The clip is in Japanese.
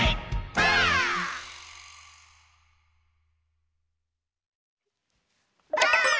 ばあっ！